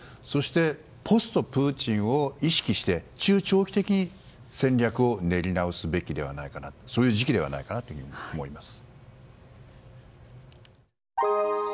そしてポストプーチンを意識して中長期的に戦略を練り直すべきではないかなとそういう時期ではないかなと思います。